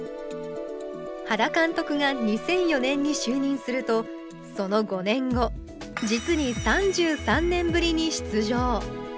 原監督が２００４年に就任するとその５年後実に３３年ぶりに出場。